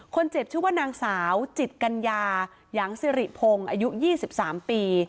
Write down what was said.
คนเจ็บชื่อว่านางสาวจิตกัญญายางสิริพงศ์อายุยี่สิบสามปี